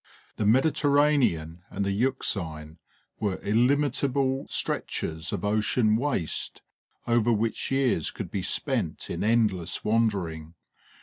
The Mediterranean and the Euxine were illimitable stretches of ocean waste over which years could be spent in endless wandering.